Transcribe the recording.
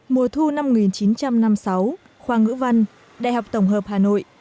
mùa thu năm một nghìn chín trăm năm mươi sáu khoa ngữ văn đại học tổng hợp hà nội